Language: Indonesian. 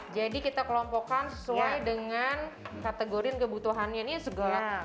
jadi kita kelompokkan sesuai dengan kategori dan kebutuhannya ini segala